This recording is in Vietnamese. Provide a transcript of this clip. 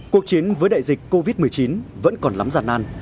cuộc chiến với đại dịch covid một mươi chín vẫn còn lắm giả nàn